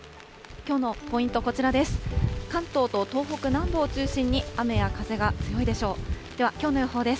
きょうのポイント、こちらです。